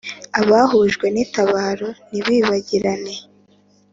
abahujwe n'itabaro ntibibagirana,